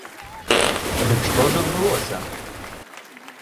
Дык што ж адбылося?